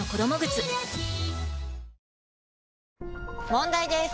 問題です！